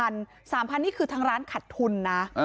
นี่คือทางร้านขัดทุนนะ